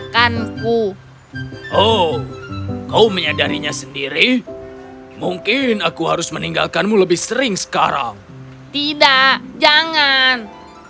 kanku oh kau menyadarinya sendiri mungkin aku harus meninggalkanmu lebih sering sekarang tidak jangan